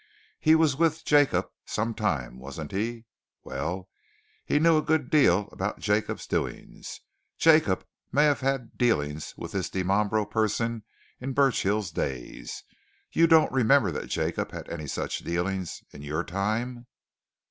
"He was with Jacob some time, wasn't he? Well, he knew a good deal about Jacob's doings. Jacob may have had dealings with this Dimambro person in Burchill's days. You don't remember that Jacob had any such dealings in your time?"